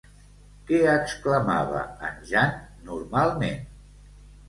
Què exclamava en Jan normalment?